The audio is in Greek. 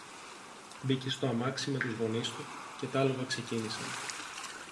Μπήκε στο αμάξι με τους γονείς του, και τ' άλογα ξεκίνησαν